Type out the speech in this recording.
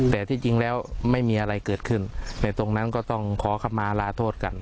แต่ที่จริงแล้วไม่มีอะไรเกิดขึ้นในตรงนั้นก็ต้องขอคำมาลาโทษกัน